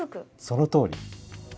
そのとおり！